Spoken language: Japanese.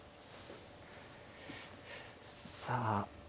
さあ。